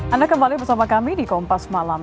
anda kembali bersama kami di kompas malam